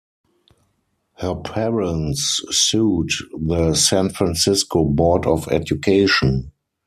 Her parents sued the San Francisco Board of Education.